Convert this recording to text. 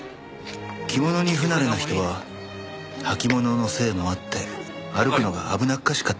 「着物に不慣れな人は履物のせいもあって歩くのが危なっかしかったりします」